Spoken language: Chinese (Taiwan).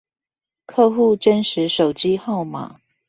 客戶真實手機號碼